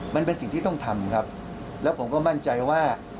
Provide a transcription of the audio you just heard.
มันเป็นสิ่งที่ต้องทำครับแล้วผมก็มั่นใจว่า